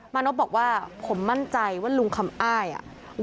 มานพบอกว่าผมมั่นใจว่าลุงคำอ้ายอ่ะ